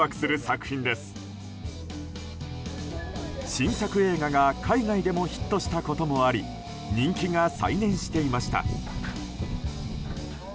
新作映画が海外でもヒットしたこともあり人気が再燃していました。